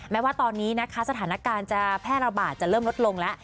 แม้ว่าตอนนี้นะคะสถานการณ์จะแพร่ระบาดจะเริ่มลดลงแล้ว